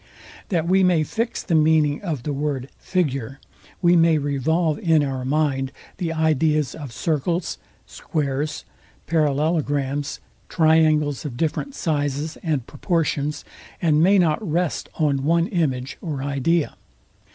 That we may fix the meaning of the word, figure, we may revolve in our mind the ideas of circles, squares, parallelograms, triangles of different sizes and proportions, and may not rest on one image or idea.